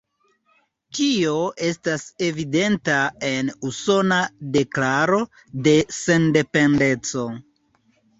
Tio estas evidenta en "Usona Deklaro de Sendependeco".